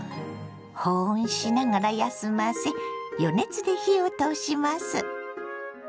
保温しながら休ませ予熱で火を通します。